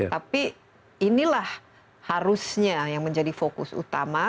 tapi inilah harusnya yang menjadi fokus utama